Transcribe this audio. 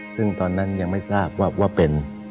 ซึ่งตอนนั้นยังไม่ทราบว่าเป็น